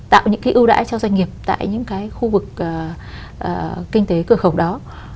tạo những cái ưu đãi cho doanh nghiệp tại những cái khu vực kinh tế cửa khẩu đó